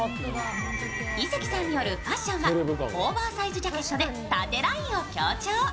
井関さんによるコーディネートはオーバーサイズジャケットで縦ラインを強調。